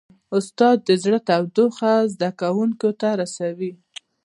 استاد د زړه تودوخه زده کوونکو ته رسوي.